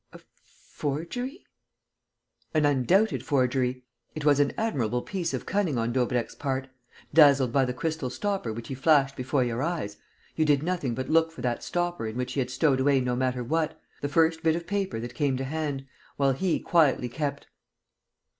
"A forgery?" "An undoubted forgery. It was an admirable piece of cunning on Daubrecq's part. Dazzled by the crystal stopper which he flashed before your eyes, you did nothing but look for that stopper in which he had stowed away no matter what, the first bit of paper that came to hand, while he quietly kept...."